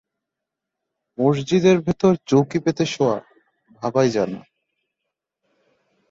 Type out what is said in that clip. মসজিদের ভেতর চৌকি পেতে শোয়া-ভাবাই যায় না।